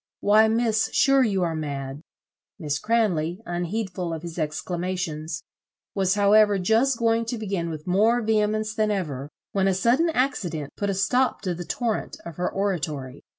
Why, Miss, sure you are mad." Miss Cranley, unheedful of his exclamations, was however just going to begin with more vehemence than ever, when a sudden accident put a stop to the torrent of her oratory.